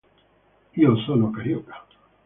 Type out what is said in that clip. Io sono carioca.